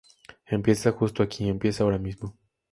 Empieza justo aquí, empieza ahora mismo.